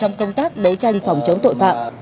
trong công tác đấu tranh phòng chống tội phạm